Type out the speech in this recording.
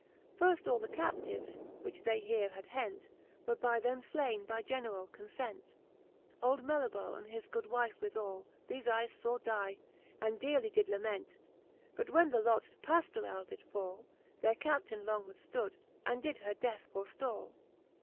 Firft all the captives, which they here had hent, Were by them flaine by general! conient. Old Melibosy and his good w^ife withall, Thefe eyes faw die, and dearely did lament : But when tht lot to Pajlorell did fall. Their Captaine long withftood, and did her death forftall.